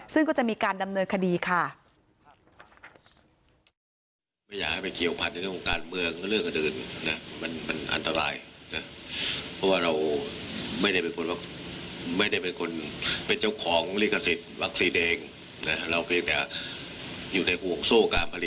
ซึ่งก็จะมีการดำเนินคดีค่ะ